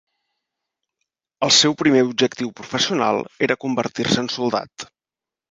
El seu primer objectiu professional era convertir-se en soldat.